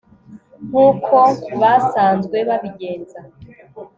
nk'uko basanzwe babigenza